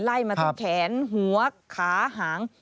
ไล่มาทั้งแขนหัวขาหาง